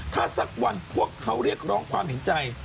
ถ้าสักวันพวกเขาเรียกร้องความเห็นใจ